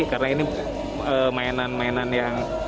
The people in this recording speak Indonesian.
karena ini mainan mainan yang